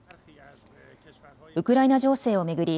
ウクライナ情勢を巡り